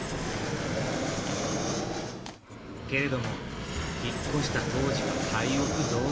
けれども引っ越した当時は廃屋同然。